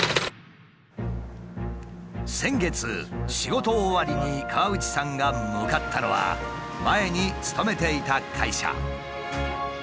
先月仕事終わりに河内さんが向かったのは前に勤めていた会社。